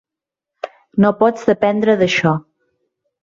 No pots dependre d'això.